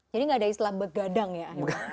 jadi nggak ada istilah begadang ya